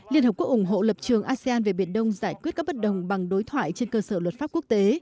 liên hợp quốc ủng hộ lập trường asean về biển đông giải quyết các bất đồng bằng đối thoại trên cơ sở luật pháp quốc tế